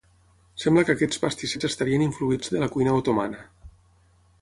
Sembla que aquests pastissets estarien influïts de la cuina otomana.